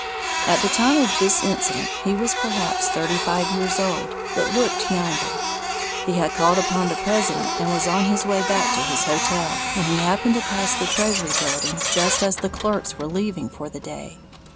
At the time of this incident he was perhaps thirty five years old, but looked younger. He had called upon the President and was on his way back to his hotel, when he happened to pass the Treasury building just as the clerks were leaving for the day.